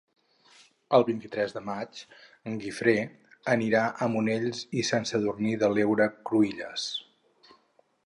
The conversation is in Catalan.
El vint-i-tres de maig en Guifré anirà a Monells i Sant Sadurní de l'Heura Cruïlles.